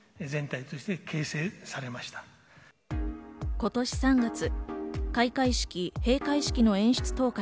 今年３月、開会式、閉会式の演出統括・